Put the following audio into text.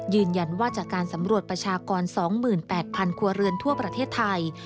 ยืนยันว่าจากการสำรวจประชากร๒๘๐๐ครัวเรือนทั่วประเทศไทย